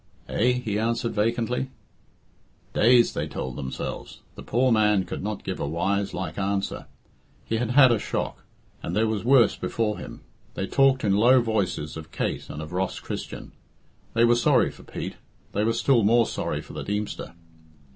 "Eh?" he answered vacantly. "Dazed," they told themselves. The poor man could not give a wise like answer. He had had a shock, and there was worse before him. They talked in low voices of Kate and of Ross Christian; they were sorry for Pete; they were still more sorry for the Deemster.